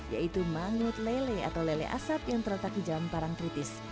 yaitu mangut lele atau lele asap yang terletak di jalan parang kritis